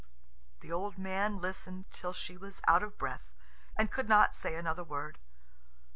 The old man listened till she was out of breath and could not say another word.